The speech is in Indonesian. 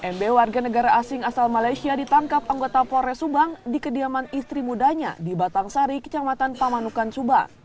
mb warga negara asing asal malaysia ditangkap anggota polres subang di kediaman istri mudanya di batang sari kecamatan pamanukan subang